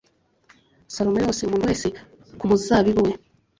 salomo yose umuntu wese ku muzabibu we